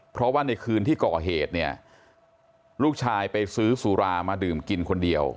เพราะว่าในคืนที่ก่อเหตุเนี่ยลูกชายไปซื้อสุรามาดื่มกินคนเดียว